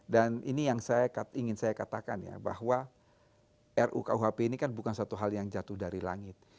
dan ini yang ingin saya katakan ya bahwa rukuhp ini bukan satu hal yang jatuh dari langit